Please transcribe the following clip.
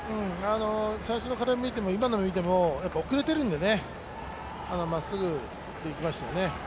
最初から見ても、今のを見ても、遅れてるんでね、まっすぐでいきましたね。